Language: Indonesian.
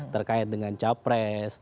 terkait dengan capres